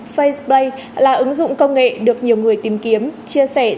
faceplay là ứng dụng công nghệ được nhiều người tìm kiếm